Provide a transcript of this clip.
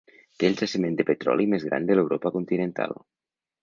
Té el jaciment de petroli més gran de l'Europa continental.